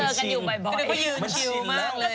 มันชินมากเลย